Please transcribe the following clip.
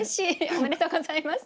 おめでとうございます。